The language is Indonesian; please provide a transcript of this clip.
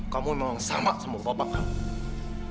kamu memang sama sama bapak kamu